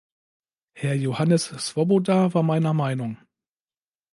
Herr Johannes Swoboda war meiner Meinung.